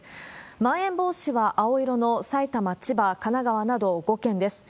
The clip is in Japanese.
まん延防止は青色の埼玉、千葉、神奈川など５県です。